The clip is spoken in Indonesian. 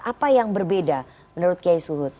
apa yang berbeda menurut kiai suhud